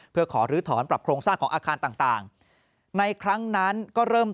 เพื่อขอลื้อถอนปรับโครงสร้างของอาคารต่างในครั้งนั้นก็เริ่ม